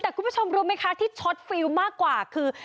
แต่คุณผู้ชมรู้ไหมคะที่ช็อตฟิลมากกว่าคือ